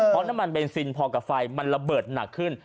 เพราะน้ำมันเบนซินพอกับไฟมันระเบิดหนักขึ้น